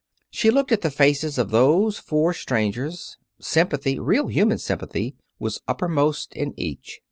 She looked at the faces of those four strangers. Sympathy real, human sympathy was uppermost in each.